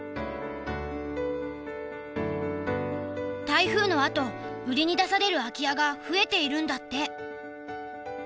台風のあと売りに出される空き家が増えているんだって。